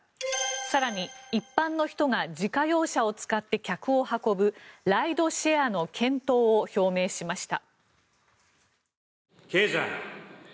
更に、一般の人が自家用車を使って客を運ぶライドシェアの検討を表明しました。